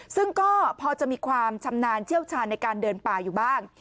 ซึ่งก็พอจะมีความชำนาญเชี่ยวชาญในการเดินป่าอยู่บ้าง